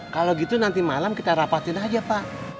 kalau gitu nanti malam kita rapatin aja pak